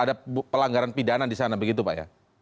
ada pelanggaran pidana di sana begitu pak ya